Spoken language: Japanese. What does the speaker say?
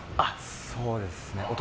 そうですね。